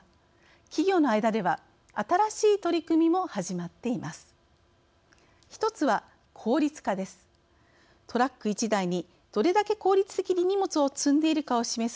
企業の間では、新しい取り組みも始まっています。